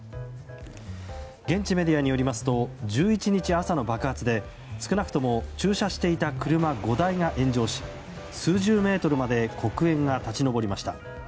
現地メディアによりますと１１日朝の爆発で少なくとも駐車していた車５台が炎上し数十メートルまで黒煙が立ち上りました。